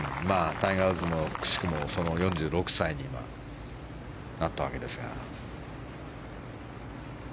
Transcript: タイガー・ウッズもくしくも４６歳に今、なったわけですが。